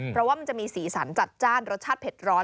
เพราะว่ามันจะมีสีสันจัดจ้านรสชาติเผ็ดร้อน